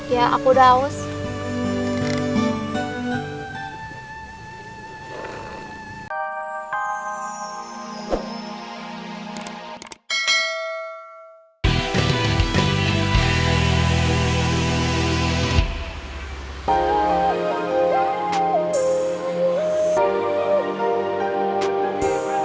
ya aku udah haus